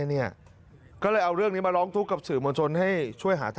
เห็นเรื่องแบบนี้